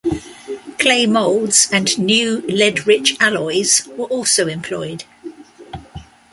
Clay moulds and new lead-rich alloys were also employed.